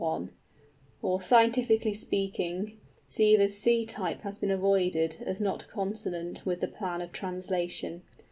Or, scientifically speaking, Sievers's C type has been avoided as not consonant with the plan of translation.